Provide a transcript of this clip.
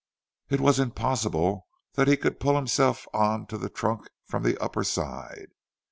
It was impossible that he could pull himself on to the trunk from the upper side.